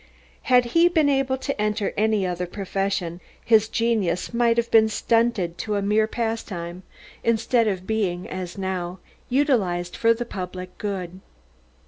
Had he been able to enter any other profession, his genius might have been stunted to a mere pastime, instead of being, as now, utilised for the public good.